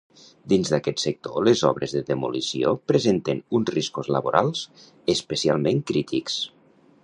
Dins d'aquest sector les obres de demolició presenten uns riscos laborals especialment crítics.